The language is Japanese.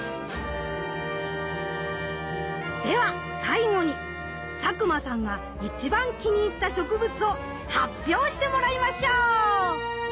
では最後に佐久間さんが一番気に入った植物を発表してもらいましょう！